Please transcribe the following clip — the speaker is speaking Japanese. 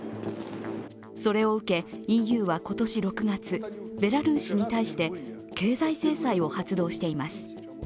それを受け、ＥＵは今年６月ベラルーシに対して経済制裁を発動しています。